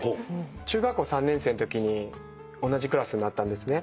中学校３年生のときに同じクラスになったんですね。